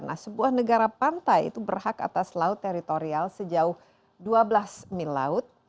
nah sebuah negara pantai itu berhak atas laut teritorial sejauh dua belas mil laut